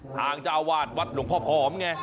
ทางเจ้าวาดวัดหลวงพ่อผอมไง